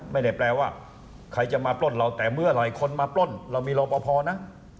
ไม่ได้แปลว่าใครจะมาปล้นเราแต่เมื่อไหร่คนมาปล้นเรามีรอปภนะ